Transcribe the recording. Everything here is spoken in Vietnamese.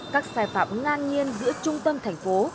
các sai phạm ngang nhiên giữa trung tâm thành phố